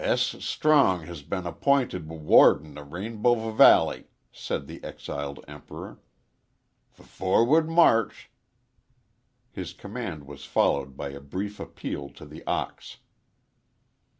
"S. Strong has been app'inted W warden o' Rainbow V valley," said the exiled Emperor. "F forward march." His command was followed by a brief appeal to the ox.